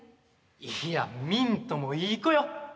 いやミントもいい子よマジで。